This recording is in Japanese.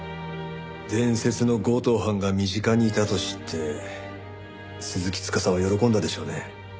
伝説の強盗犯が身近にいたと知って鈴木司は喜んだでしょうね。